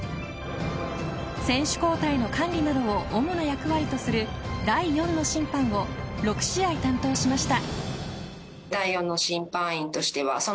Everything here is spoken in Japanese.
選手交代の管理などを主な役割とする第４の審判を６試合担当しました。